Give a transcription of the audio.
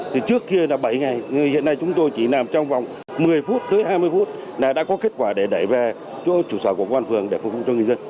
thì trước kia là bảy ngày hiện nay chúng tôi chỉ làm trong vòng một mươi phút tới hai mươi phút là đã có kết quả để đẩy về chỗ trụ sở của công an phường để phục vụ cho người dân